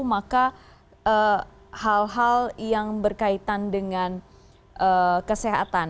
maka hal hal yang berkaitan dengan kesehatan